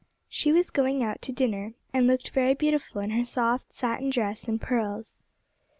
She was going out to dinner, and looked very beautiful in her soft satin dress and pearls.